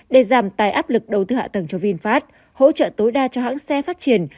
để giảm tài áp lực đầu tư hạ tầng cho vinfast hỗ trợ tối đa cho hãng xe phát triển